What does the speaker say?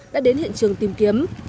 đã đến hiện trường tìm kiếm